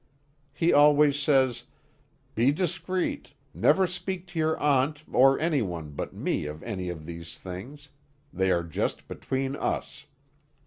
He always says: "Be discreet; never speak to your Aunt or anyone but me of any of these things. They are just between us."